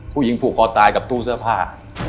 ผู้หญิงผูกคอตายกับตู้เสื้อผ้า